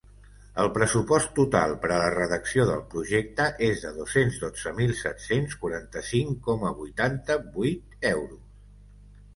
El pressupost total per a la redacció del projecte és de dos-cents dotze mil set-cents quaranta-cinc coma vuitanta-vuit euros.